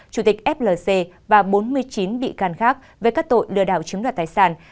chủ tịch flc và bốn mươi chín bị can khác về các tội lừa đảo chiếm đoạt tài sản